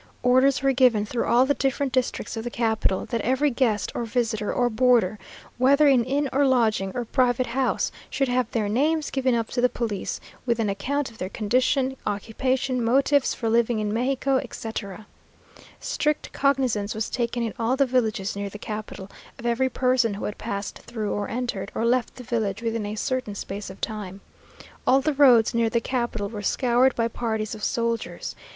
Orders were given through all the different districts of the capital, that every guest, or visitor, or boarder, whether in inn or lodging, or private house, should have their names given up to the police, with an account of their condition, occupation, motives for living in Mexico, etc. Strict cognizance was taken in all the villages near the capital, of every person who had passed through, or entered, or left the village within a certain space of time. All the roads near the capital were scoured by parties of soldiers.